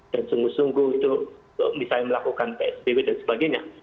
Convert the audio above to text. dan sungguh sungguh itu misalnya melakukan psbw dan sebagainya